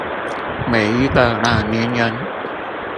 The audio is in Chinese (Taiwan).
每一個老年人